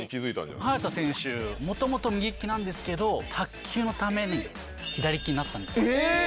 早田選手、もともと右利きなんですけど、卓球のために左利きになったんです。